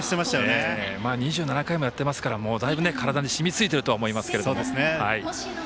２７回もやってますからだいぶ体にしみついてるとは思いますが。